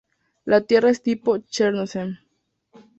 La tierra es del tipo "chernozem".